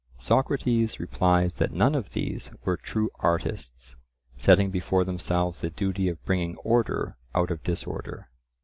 Socrates replies that none of these were true artists, setting before themselves the duty of bringing order out of disorder.